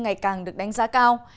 ngày càng được đánh giá cao